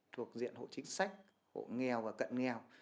thuộc diện hộ chính sách hộ nghèo và cận nghèo